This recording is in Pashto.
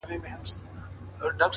بریا د عادتونو پایله ده’